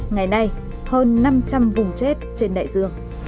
ngày nay hơn năm trăm linh vùng chết trên đại dương